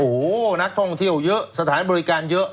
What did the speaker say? โอ้โหนักท่องเที่ยวเยอะสถานบริการเยอะ